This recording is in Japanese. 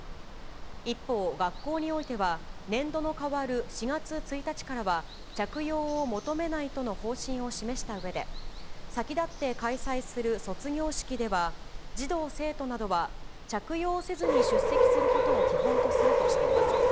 一方、学校においては、年度のかわる４月１日からは、着用を求めないとの方針を示したうえで、先だって開催する卒業式では、児童・生徒などは着用せずに出席することを基本とするとしています。